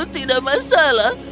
tidak ada masalah